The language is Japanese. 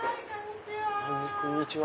はいこんにちは。